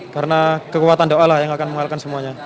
karena kekuatan doa lah yang akan mengalahkan semuanya